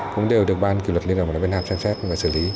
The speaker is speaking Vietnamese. cũng đều được ban câu lạc bộ hà nội việt nam xem xét và xử lý